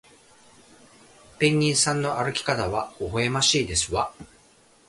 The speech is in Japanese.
ペンギンさんの歩き方はほほえましいですわ